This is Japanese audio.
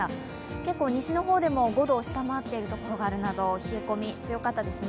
結構西の方でも５度を下回っているところがあるなど、冷え込みがきつかったですね。